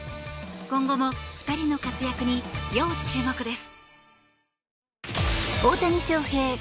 今後も２人の活躍に要注目です。